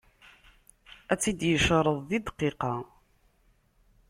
Ad tt-id-yecreḍ di dqiqa.